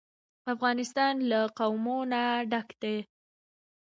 افغانستان له قومونه ډک دی.